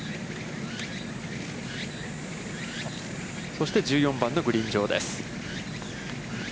そして１４番のグリーン上です。